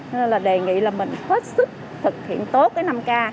nên là đề nghị là mình hết sức thực hiện tốt cái năm k